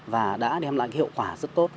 và đã đem lại hiệu quả rất tốt